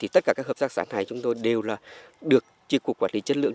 tất cả các hợp tác xã này chúng tôi đều được chiếc cuộc quản lý chất lượng